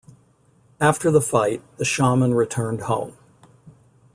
After the fight, the shaman returned home.